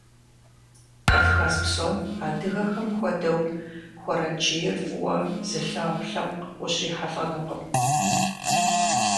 Кавказ псом адыгэхэм хуэдэу хуэрэджейр фӀыуэ зылъагъу лъэпкъ ущрихьэлӀэнукъым.